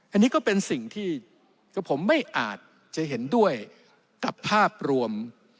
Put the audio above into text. อันนี้ก็เป็นสิ่งที่ผมไม่อาจจะเห็นด้วยกับภาพรวม